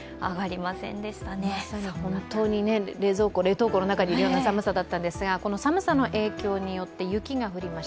まさに本当に冷蔵庫・冷凍庫の中にいるような寒さだったんですが、この寒さの影響によって雪が降りました。